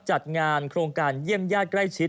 จัดงานโครงการเยี่ยมญาติใกล้ชิด